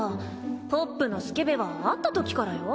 ポップのスケベは会ったときからよ。